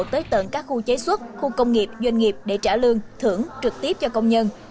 tới tận các khu chế xuất khu công nghiệp doanh nghiệp để trả lương thưởng trực tiếp cho công nhân